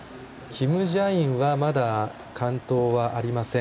キム・ジャインはまだ完登はありません。